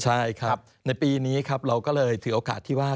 ใช่ครับในปีนี้ครับเราก็เลยถือโอกาสที่ว่า